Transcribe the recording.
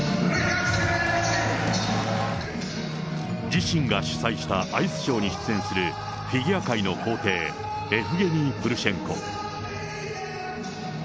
自身が主催したアイスショーに出演する、フィギュア界の皇帝、エフゲニー・プルシェンコ。